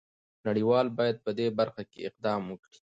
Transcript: نړۍ وال باید په دې برخه کې اقدام وکړي.